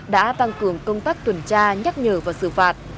đã tăng cường công tác tuần tra nhắc nhở và xử phạt